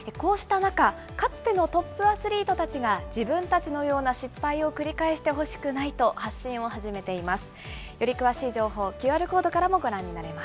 こうした中かつてのトップアスリートたちが自分たちのような失敗を繰り返してほしくないと発信を始めています。